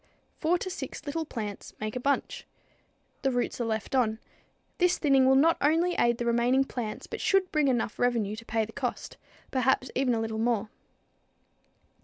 Four to six little plants make a bunch. The roots are left on. This thinning will not only aid the remaining plants, but should bring enough revenue to pay the cost, perhaps even a little more.